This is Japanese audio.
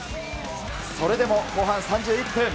それでも後半３１分。